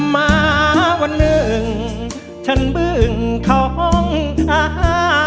มาวันหนึ่งฉันเบื้องของทาน